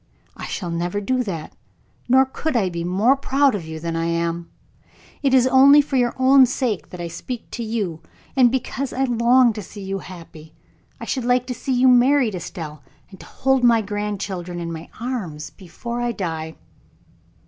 "I shall never do that. Nor could I be more proud of you than I am. It is only for your own sake that I speak to you, and because I long to see you happy. I should like to see you married, Estelle, and to hold my grandchildren in my arms before I die."